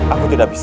aku tidak bisa